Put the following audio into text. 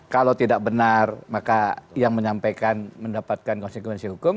kalau tidak benar maka yang menyampaikan mendapatkan konsekuensi hukum